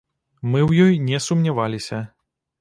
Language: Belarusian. Мы ў ёй не сумняваліся.